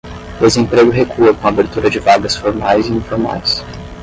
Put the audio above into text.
Desemprego recua com abertura de vagas formais e informais